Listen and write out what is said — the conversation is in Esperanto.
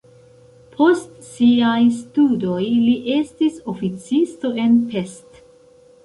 Post siaj studoj li estis oficisto en Pest.